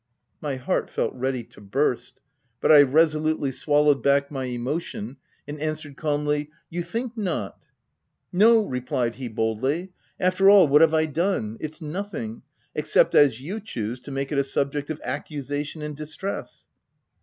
My heart felt ready to burst ; but I resolutely swallowed back my emotion, and answered calmly, u You think not ?"" No," replied he, boldly. " After all, what have I done ? It's nothing — except as you choose to make it a subject of accusation and distress."